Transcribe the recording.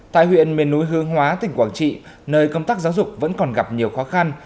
tại huyện miền núi hương hóa tỉnh quảng trị nơi công tác giáo dục vẫn còn gặp nhiều khó khăn